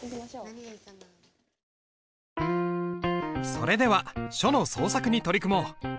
それでは書の創作に取り組もう。